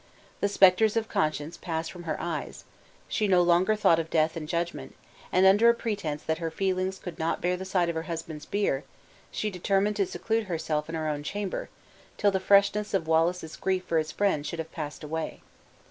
The specters of conscience passed from her eyes; she no longer thought of death and judgment; and, under a pretense that her feelings could not bear the sight of her husband's bier, she determined to seclude herself in her own chamber, till the freshness of Wallace's grief for his friend should have passed away.